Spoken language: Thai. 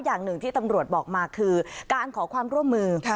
อย่างหนึ่งที่ตำรวจบอกมาคือการขอความร่วมมือ